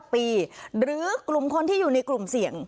ปีหรือกลุ่มคนที่อยู่ในกลุ่มเสี่ยง